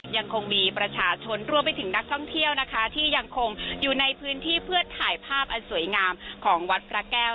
ยังคงมีประชาชนรวมไปถึงนักท่องเที่ยวนะคะที่ยังคงอยู่ในพื้นที่เพื่อถ่ายภาพอันสวยงามของวัดพระแก้ว